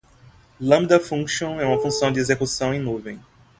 Lambda Function é uma função de execução em nuvem.